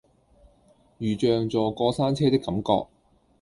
如像坐過山車的感覺